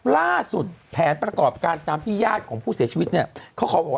ล่าสุดแผนประกอบการตามที่ญาติของผู้เสียชีวิตเนี่ยเขาขอบอกว่า